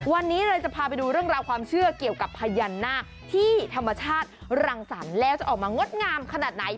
วันนี้เราจะพาไปดูเรื่องราวความเชื่อเกี่ยวกับพญานาคที่ธรรมชาติรังสรรค์แล้วจะออกมางดงามขนาดไหน